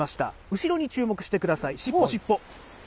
後ろに注目してください。